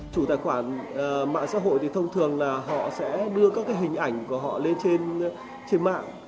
chủ tài khoản mạng xã hội thì thông thường là họ sẽ đưa các cái hình ảnh của họ lên trên mạng